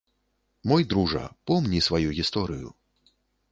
Мой дружа, помні сваю гісторыю.